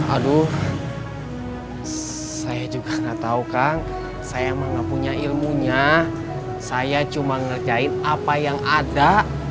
aduh saya juga nggak tahu kang saya emang gak punya ilmunya saya cuma ngerjain apa yang ada